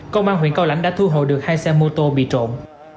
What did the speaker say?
công an huyện cao lãnh đã thu hội được hai xe mô tô bị trộn